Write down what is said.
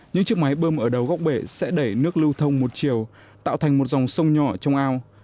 những chiếc máy bơm ở đầu góc bể sẽ đẩy nước lưu thông một chiều tạo thành một dòng sông nhỏ trong ao